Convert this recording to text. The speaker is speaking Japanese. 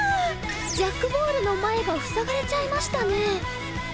ジャックボールの前が塞がれちゃいましたねえ。